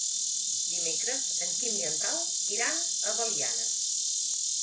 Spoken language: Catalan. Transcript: Dimecres en Quim i en Pau iran a Belianes.